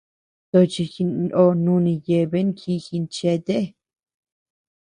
Tochi jino nùni yeaben ji ginchéte.